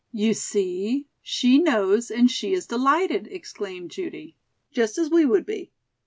"You see, she knows and she is delighted," exclaimed Judy. "Just as we would be.